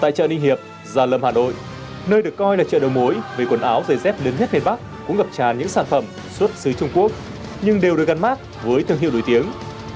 tại chợ ninh hiệp gia lâm hà nội nơi được coi là chợ đầu mối vì quần áo giày dép đến hết miền bắc cũng gặp tràn những sản phẩm xuất xứ trung quốc nhưng đều được gắn mắt với thương hiệu nổi tiếng